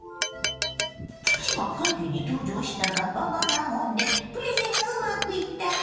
プチが会議に登場したら場が和んでプレゼンがうまくいったの？